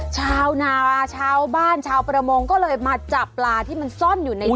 ชาวนาชาวบ้านชาวประมงก็เลยมาจับปลาที่มันซ่อนอยู่ใน